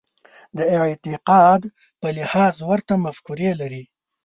د اعتقاد په لحاظ ورته مفکورې لري.